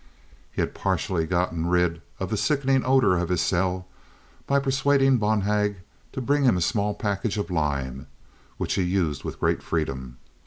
He had partially gotten rid of the sickening odor of his cell by persuading Bonhag to bring him small packages of lime; which he used with great freedom.